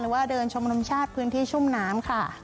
ว่าเดินชมรมชาติพื้นที่ชุ่มน้ำค่ะ